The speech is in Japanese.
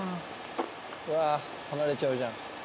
うわぁ離れちゃうじゃん。